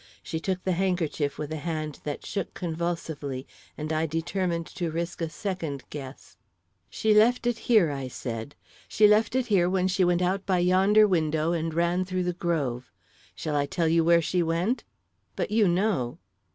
She took the handkerchief with a hand that shook convulsively, and I determined to risk a second guess. "She left it here," I said. "She left it here when she went out by yonder window and ran through the grove. Shall I tell you where she went? But you know!"